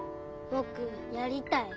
ぼくやりたい。